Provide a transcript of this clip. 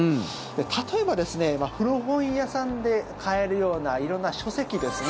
例えば古本屋さんで買えるような色んな書籍ですね。